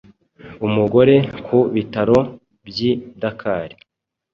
Umugore ku bitaro by'i Dakar